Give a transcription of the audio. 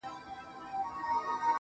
ګـــوره نخره بازې ته په ځان کوي